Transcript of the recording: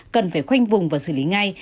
cần phải khoanh vùng và xử lý ngay